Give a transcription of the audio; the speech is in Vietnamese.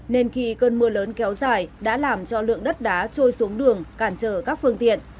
nên khi cơn mưa lớn kéo dài đã làm cho lượng đất đá trôi xuống đường cản trở các phương tiện